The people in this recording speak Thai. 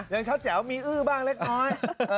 ยังชัดแจ๋วมีอื้อบ้างเล็กน้อย